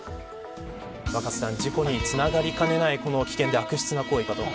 若狭さん、事故につながりかねないこの危険で悪質な行為